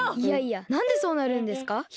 いやいやなんでそうなるんですか？